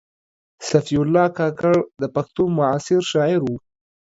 صفي الله کاکړ د پښتو معاصر شاعر و.